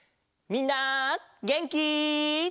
みんなげんき？